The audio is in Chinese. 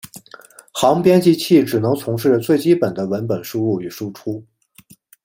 行编辑器只能从事最基本的文本输入与输出。